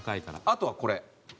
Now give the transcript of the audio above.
あとはこれ。